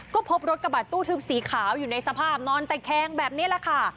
ก็พบรถกระบะตู้ทึบสีขาวอยู่ในสภาพนอนตะแคงแบบนี้แหละค่ะ